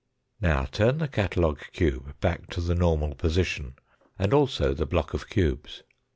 Now turn the catalogue cube back to the normal position, and also the block of cubes.